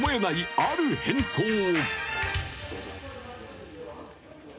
ある変装を！